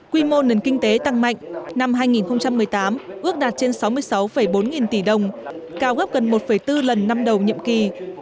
quy mô nền kinh tế tăng mạnh năm hai nghìn một mươi tám ước đạt trên sáu mươi sáu bốn nghìn tỷ đồng cao gấp gần một bốn lần năm đầu nhiệm kỳ